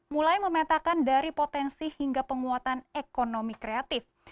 mulai memetakan dari potensi hingga penguatan ekonomi kreatif